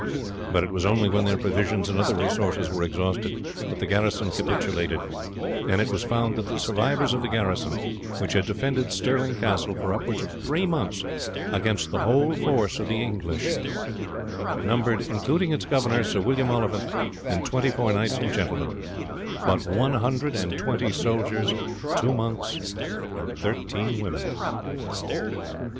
But it was only when their provisions and other resources were exhausted that the garrison capitulated; and it was found that the survivors of the garrison which had defended Stirling Castle for upwards of three months against the whole force of England numbered, including its governor, Sir William Oliphant, and twenty four knights and gentlemen, but a hundred and twenty soldiers, two monks, and thirteen females.